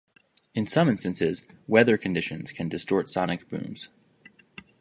In some instances weather conditions can distort sonic booms.